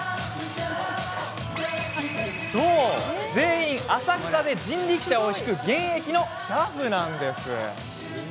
全員、浅草で人力車を引く現役の俥夫なんです。